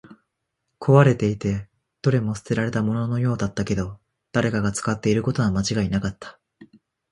壊れていて、どれも捨てられたもののようだったけど、誰かが使っていることは間違いなかった